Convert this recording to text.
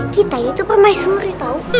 kita ini tuh pemaisuri tau